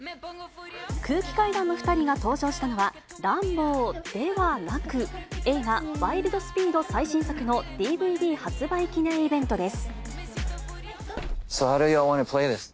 空気階段の２人が登場したのは、ランボーではなく、映画、ワイルド・スピード最新作のＤＶＤ発売記念イベントです。